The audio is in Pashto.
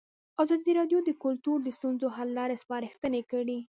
ازادي راډیو د کلتور د ستونزو حل لارې سپارښتنې کړي.